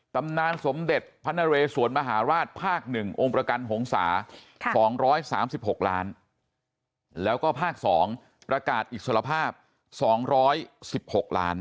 ตำนานสมเด็จพระนเรสวนมหาราชภาค๑องค์ประกันหงษา๒๓๖ล้านแล้วก็ภาค๒ประกาศอิสรภาพ๒๑๖ล้าน